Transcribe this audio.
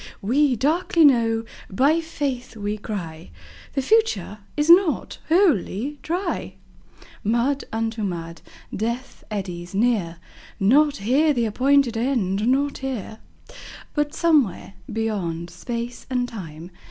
We darkly know, by Faith we cry, The future is not Wholly Dry. Mud unto mud! Death eddies near Not here the appointed End, not here! But somewhere, beyond Space and Time.